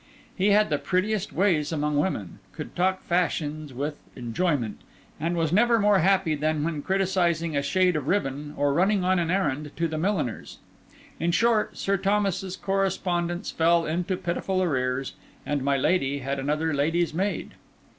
He had the prettiest ways among women, could talk fashions with enjoyment, and was never more happy than when criticising a shade of ribbon, or running on an errand to the milliner's. In short, Sir Thomas's correspondence fell into pitiful arrears, and my Lady had another lady's maid.